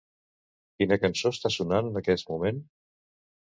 Quina cançó està sonant en aquest moment?